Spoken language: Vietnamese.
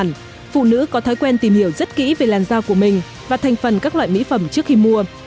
tuy nhiên phụ nữ có thói quen tìm hiểu rất kỹ về làn da của mình và thành phần các loại mỹ phẩm trước khi mua